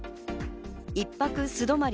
１泊素泊まり